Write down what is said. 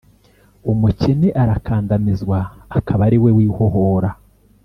Umukene arakandamizwa, akaba ari we wihohora!